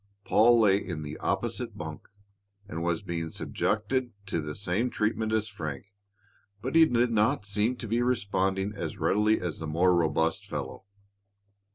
Paul lay in the opposite bunk and was being subjected to the same treatment as Frank, but he did not seem to be responding as readily as the more robust fellow.